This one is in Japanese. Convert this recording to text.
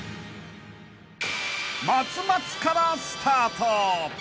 ［松松からスタート］